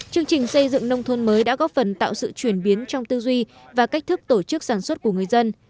chương trình xây dựng nông thôn mới đã góp phần tạo sự chuyển biến trong tư duy và cách thức tổ chức sản xuất của người dân